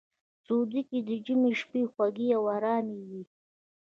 سعودي کې د ژمي شپې خوږې او ارامې وي.